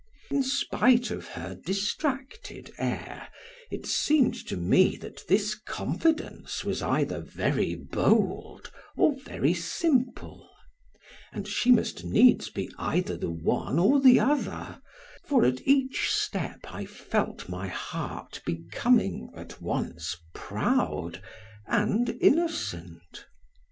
In spite of her distracted air, it seemed to me that this confidence was either very bold or very simple; and she must needs be either the one or the other, for at each step, I felt my heart becoming at once proud and innocent.